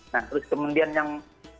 nah terus kemudian yang